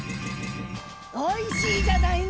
おいしいじゃないの！